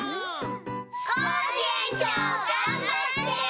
コージえんちょうがんばって！